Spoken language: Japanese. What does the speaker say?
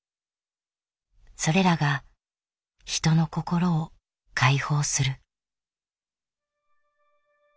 それらが人の心を解放する。